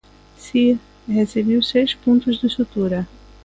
Si, recibiu seis puntos de sutura...